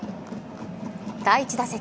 第１打席。